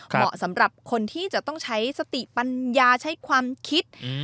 เหมาะสำหรับคนที่จะต้องใช้สติปัญญาใช้ความคิด